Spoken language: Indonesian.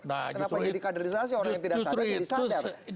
kenapa jadi kaderisasi orang yang tidak sadar